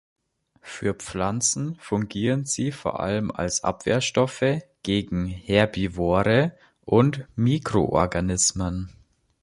Für Pflanzen fungieren sie vor allem als Abwehrstoffe gegen Herbivore und Mikroorganismen.